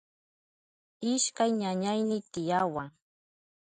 Ishkay ñañayni tiyawan.